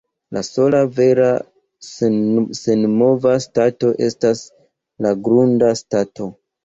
La sola vera senmova stato estas la grunda stato.